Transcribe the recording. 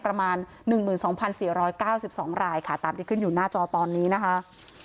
ประมาณ๑๒๔๙๒รายค่ะตามที่ขึ้นอยู่หน้าจอตอนนี้นะคะ